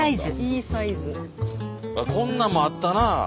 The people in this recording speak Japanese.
こんなんもあったな！